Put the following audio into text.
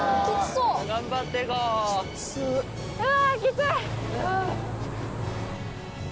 うわ！